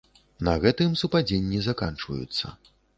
На гэтым супадзенні заканчваюцца.